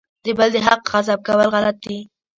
د بل د حق غصب کول غلط دي.